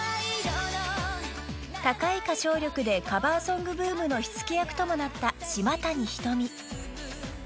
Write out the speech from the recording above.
［高い歌唱力でカバーソングブームの火付け役ともなった］